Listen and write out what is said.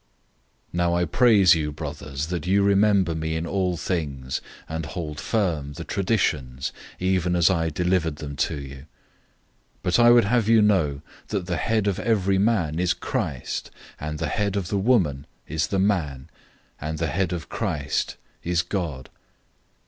011:002 Now I praise you, brothers, that you remember me in all things, and hold firm the traditions, even as I delivered them to you. 011:003 But I would have you know that the head of every man is Christ, and the head of the woman is the man, and the head of Christ is God.